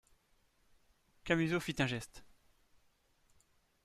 Camusot fit un geste.